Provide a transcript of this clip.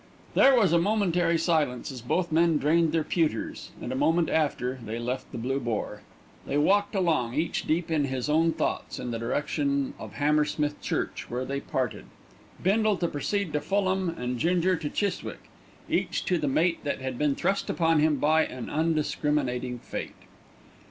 There was a momentary silence, as both men drained their pewters, and a moment after they left the Blue Boar. They walked along, each deep in his own thoughts, in the direction of Hammersmith Church, where they parted, Bindle to proceed to Fulham and Ginger to Chiswick; each to the mate that had been thrust upon him by an undiscriminating fate.